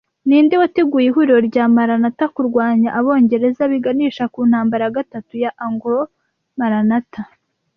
Ninde wateguye ihuriro rya Maratha kurwanya abongereza biganisha ku ntambara ya gatatu ya Anglo Maratha